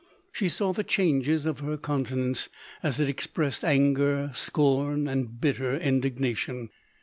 She saw the changes of her countenance, as it expressed anger, scorn, and bitter indignation.